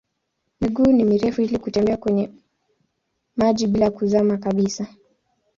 Miguu ni mirefu ili kutembea kwenye maji bila kuzama kabisa.